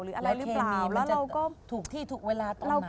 และเคมีมันจะถูกที่ถูกเวลาตอนไหน